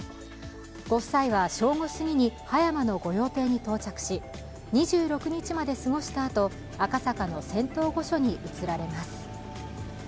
ご夫妻は正午すぎに葉山の御用邸に到着し２６日まで過ごしたあと、赤坂の仙洞御所に移られます。